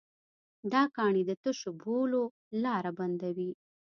دا کاڼي د تشو بولو لاره بندوي.